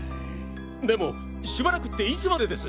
でもしばらくっていつまでです！？